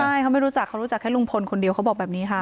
ใช่เขาไม่รู้จักเขารู้จักแค่ลุงพลคนเดียวเขาบอกแบบนี้ค่ะ